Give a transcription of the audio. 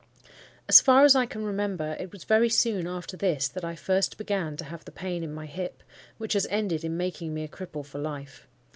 As far as I can remember, it was very soon after this that I first began to have the pain in my hip, which has ended in making me a cripple for life.